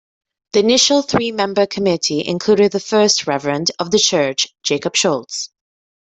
The initial three member committee included the first Reverend of the church Jacob Schultz.